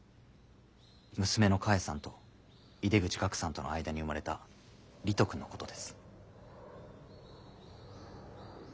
娘の菓恵さんと井出口岳さんとの間に生まれた理人くんのことです。